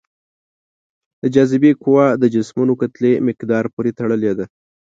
د جاذبې قوه د جسمونو کتلې مقدار پورې تړلې ده.